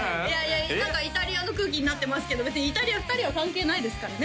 何かイタリアの空気になってますけど別にイタリア２人は関係ないですからね